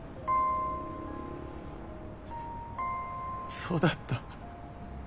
そうだった。